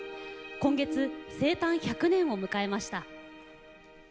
今月、生誕１００年を迎えました。